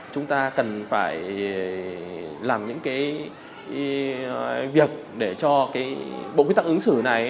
chúng ta cần phải làm những cái việc để cho cái bộ quy tắc ứng xử này